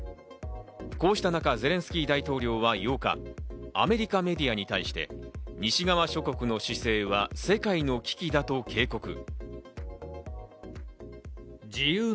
こうした中ゼレンスキー大統領は８日、アメリカメディアに対して西側諸国の姿勢は世界の危機だと警告。